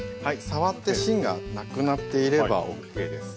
触って芯がなくなっていればＯＫです。